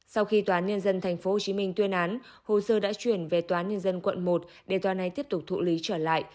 sau khi toán nhân dân tp hcm tuyên án hồ sơ đã chuyển về toán nhân dân quận một để toán này tiếp tục thụ lý trở lại